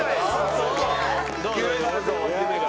夢があるぞ夢が。